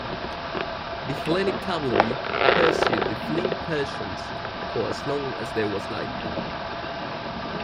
The Hellenic cavalry pursued the fleeing Persians for as long as there was light.